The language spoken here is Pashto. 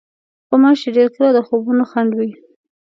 غوماشې ډېر کله د خوبونو خنډ وي.